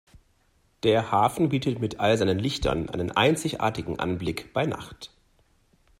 Der Hafen bietet mit all seinen Lichtern einen einzigartigen Anblick bei Nacht.